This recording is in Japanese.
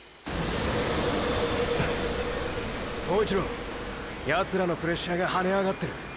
塔一郎ヤツらのプレッシャーがはねあがってる。